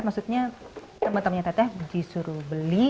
maksudnya teman temannya teteh disuruh beli